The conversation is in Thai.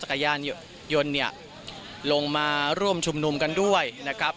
ยนต์เนี่ยลงมาร่วมชุมนุมกันด้วยนะครับ